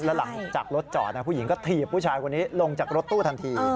แล้วหลังจากรถจอดผู้หญิงก็ถีบผู้ชายคนนี้ลงจากรถตู้ทันที